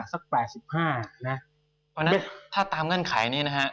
เพราะฉะนั้นถ้าตามเงื่อนไขนี้นะฮะ